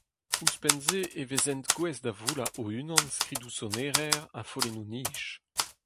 Ouzhpenn-se e vezent gouest da voullañ o-unan skridoù-sonerezh ha follennoù-nij.